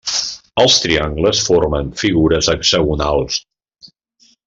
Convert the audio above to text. Els triangles formen figures hexagonals.